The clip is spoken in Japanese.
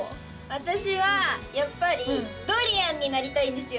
私はやっぱりドリアンになりたいんですよ！